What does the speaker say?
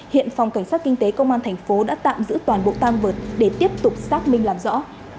hiện phòng cảnh sát kinh tế công an thành phố đã tạm giữ toàn bộ tang vật để tiếp tục xác minh làm rõ